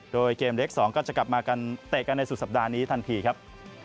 โดยเกมเล็ก๒ก็จะกลับมากันเตะกันในสุดสัปดาห์นี้ทันทีครับ